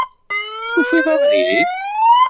Tufiḍ abrid?